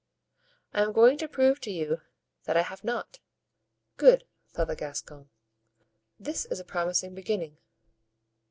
I am going to prove to you that I have not." "Good," thought the Gascon, "this is a promising beginning."